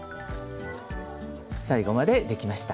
最後までできました。